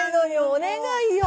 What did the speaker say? お願いよ。